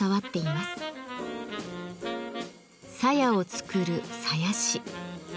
鞘を作る「鞘師」。